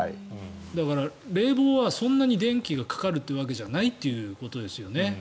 だから冷房はそんなに電気がかかるわけじゃないということですよね。